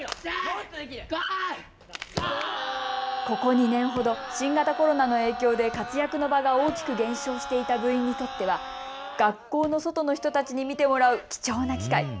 ここ２年ほど新型コロナの影響で活躍の場が大きく減少していた部員にとっては学校の外の人たちに見てもらう貴重な機会。